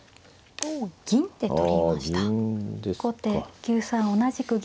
後手９三同じく銀。